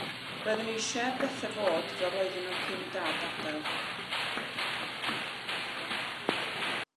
Roeddwn i eisiau i bethau fod fel ro'n nhw cyn i Dad adael.